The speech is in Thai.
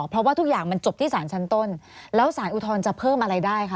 เพราะว่าทุกอย่างมันจบที่สารชั้นต้นแล้วสารอุทธรณ์จะเพิ่มอะไรได้คะ